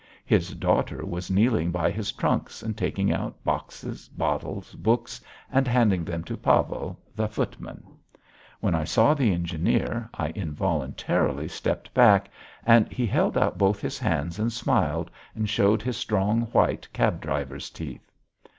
His daughter was kneeling by his trunks and taking out boxes, bottles, books, and handing them to Pavel the footman. When I saw the engineer, I involuntarily stepped back and he held out both his hands and smiled and showed his strong, white, cab driver's teeth.